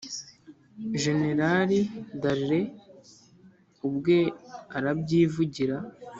jenerali dallaire ubwe arabyivugira